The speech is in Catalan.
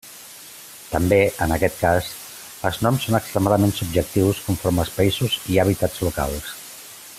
També, en aquest cas, els noms són extremadament subjectius, conforme als països i hàbits locals.